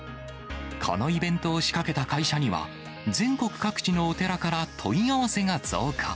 このイベントを仕掛けた会社には、全国各地のお寺から問い合わせが増加。